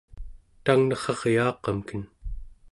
tangnerraryaaqamken